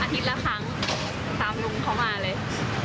อาทิตย์ละครั้งตามลุงเขามาเลย